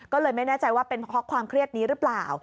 ก็เลยไม่แน่ใจว่าเป็นเพราะความเครียดนี้หรือเปล่า